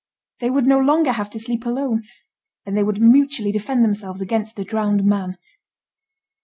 They would no longer have to sleep alone, and they would mutually defend themselves against the drowned man.